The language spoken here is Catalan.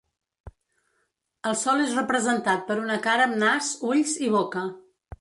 El sol és representat per una cara amb nas, ulls i boca.